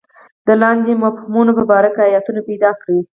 د لاندې مفهومونو په باره کې ایتونه پیدا کړئ.